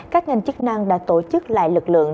các ngành chức năng đã tổ chức lại lực lượng